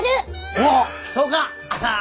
おおそうか！